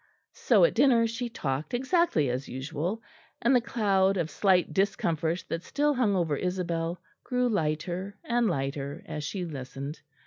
So at dinner she talked exactly as usual; and the cloud of slight discomfort that still hung over Isabel grew lighter and lighter as she listened.